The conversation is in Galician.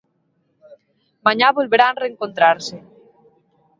Mañá volverán reencontrarse.